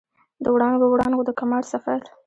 د وړانګو، وړانګو د کمال سفر